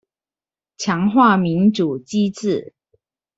強化民主機制